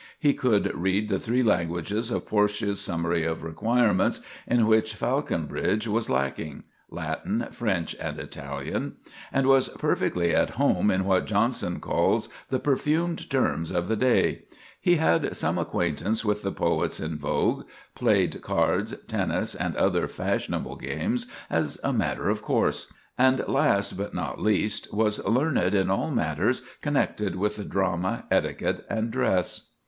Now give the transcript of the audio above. He could read the three languages of Portia's summary of requirements in which Falconbridge was lacking—Latin, French, and Italian,—and was perfectly at home in what Jonson calls the "perfumed terms of the day"; he had some acquaintance with the poets in vogue; played cards, tennis, and other fashionable games, as a matter of course; and, last but not least, was learned in all matters connected with the drama, etiquette, and dress.